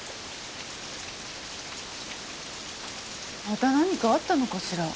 また何かあったのかしら？